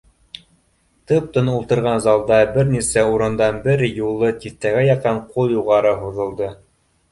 Тып-тын ултырған залда бер нисә урындан бер юлы тиҫтәгә яҡын ҡул юғары һуҙылды